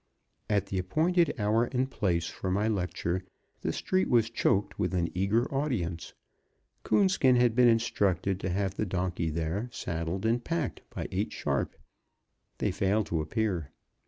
At the appointed hour and place for my lecture the street was choked with an eager audience. Coonskin had been instructed to have the donkey there, saddled and packed, by eight sharp. They failed to appear.